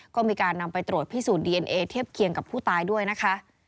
ก็มีการนำไปตรวจพิสูจน์ดีเอ็นเอเทียบเคียงกับผู้ตายด้วยนะคะ